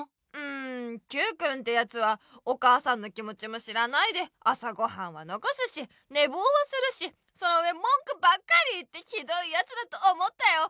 んＱくんてやつはお母さんの気もちも知らないで朝ごはんはのこすしねぼうはするしそのうえもんくばっかり言ってひどいやつだと思ったよ。